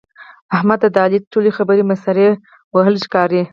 احمد ته د علي ټولې خبرې مسخرې وهل ښکاري.